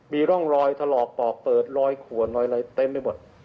มีร่องรอยถลอกปอกเปิดรอยขวนรอยอะไรเต็มไปหมด